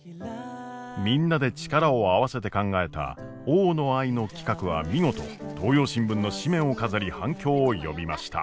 みんなで力を合わせて考えた大野愛の企画は見事東洋新聞の紙面を飾り反響を呼びました。